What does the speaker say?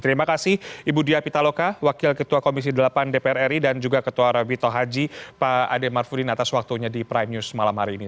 terima kasih ibu dia pitaloka wakil ketua komisi delapan dpr ri dan juga ketua rabito haji pak ade marfudin atas waktunya di prime news malam hari ini